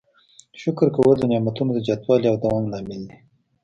شکر کول د نعمتونو د زیاتوالي او دوام لامل دی.